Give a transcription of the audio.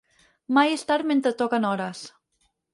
Mai és tard mentre toquen hores.